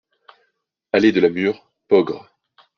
Allée de la Mûre, Peaugres